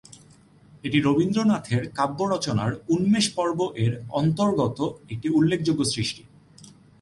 এটি রবীন্দ্রনাথের কাব্য রচনার "উন্মেষ পর্ব"-এর অন্তর্গত একটি উল্লেখযোগ্য সৃষ্টি।